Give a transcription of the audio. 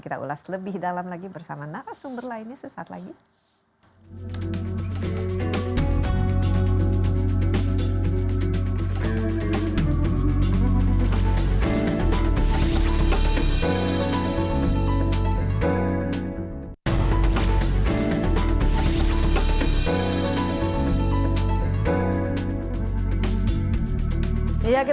kita ulas lebih dalam lagi bersama nara sumber lainnya sesaat lagi